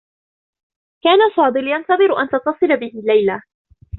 كان فاضل ينتظر أن تتّصل به ليلى.